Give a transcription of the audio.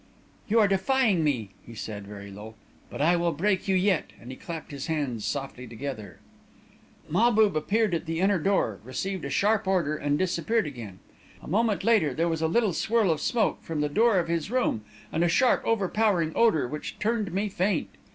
"'You are defying me,' he said, very low. 'But I will break you yet,' and he clapped his hands softly together. [Illustration: "I knew that I was lost"] "Mahbub appeared at the inner door, received a sharp order, and disappeared again. A moment later, there was a little swirl of smoke from the door of his room, and a sharp, over powering odour, which turned me faint.